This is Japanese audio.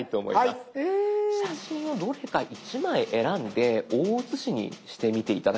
写真をどれか１枚選んで大写しにしてみて頂けるでしょうか？